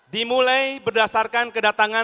dimulai berdasarkan kedatangan